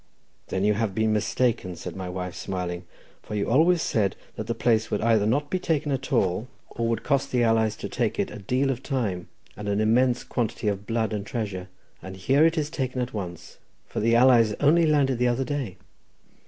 "Then you have been mistaken," said my wife, smiling, "for you always said that the place would either not be taken at all, or would cost the allies to take it a deal of time, and an immense quantity of blood and treasure, and here it is taken at once, for the allies only landed the other day.